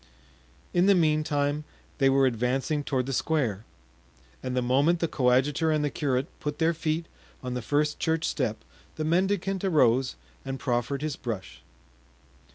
In the meantime they were advancing toward the square, and the moment the coadjutor and the curate put their feet on the first church step the mendicant arose and proffered his brush.